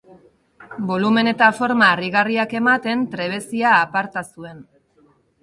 Bolumen eta forma harrigarriak ematen trebezia aparta zuen.